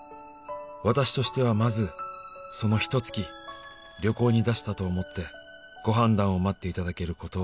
「私としてはまずそのひと月」「旅行に出したと思ってご判断を待っていただけることを」